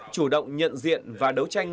chủ động nhận diện và đấu tranh